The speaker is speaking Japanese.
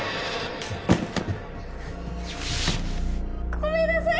ごめんなさい！